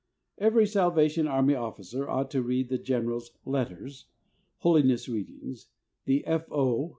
Every Salvation Army officer ought to read the General's "Letters/' "Holiness Readings," the "F. O.